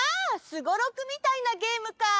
すごろくみたいなゲームか！